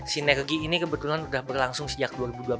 sinergi ini kebetulan sudah berlangsung sejak dua ribu dua belas